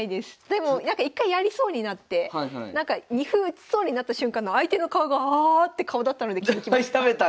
でも一回やりそうになって二歩打ちそうになった瞬間の相手の顔がああって顔だったので気付きました。